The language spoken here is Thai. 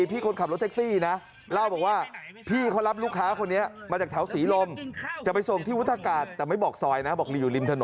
พี่คนขับรถเซ็กซี่นะเล่าบอกว่า